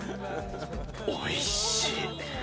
おいしい。